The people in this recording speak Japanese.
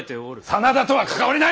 真田とは関わりない！